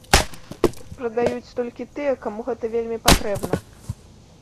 Прадаюць толькі тыя, каму гэта вельмі патрэбна.